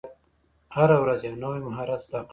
هره ورځ یو نوی مهارت زده کړه.